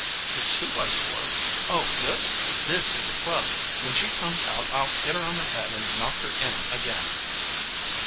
"The two by four? Oh, this? This is a club. When she comes out I'll hit her on the head and knock her in again."